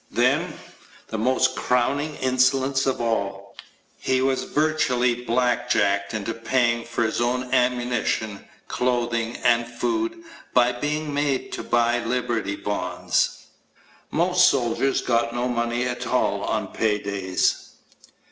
Then, the most crowning insolence of all he was virtually blackjacked into paying for his own ammunition, clothing, and food by being made to buy Liberty Bonds. Most soldiers got no money at all on pay days.